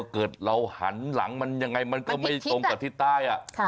เกิดเราหันหลังมันยังไงมันก็ไม่ตรงกับที่ใต้